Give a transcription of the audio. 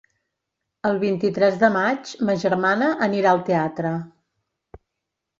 El vint-i-tres de maig ma germana anirà al teatre.